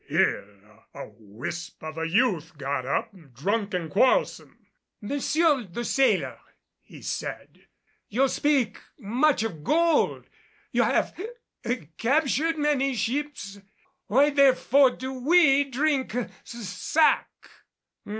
Here a whisp of a youth got up, drunk and quarrelsome. "Monsieur, the sailor," he said, "you speak much of gold. You have hic captured many ships. Why therefore do we drink s sack?"